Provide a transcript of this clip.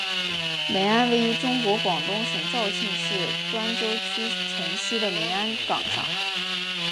梅庵位于中国广东省肇庆市端州区城西的梅庵岗上。